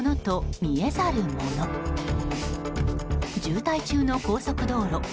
渋滞中の高速道路。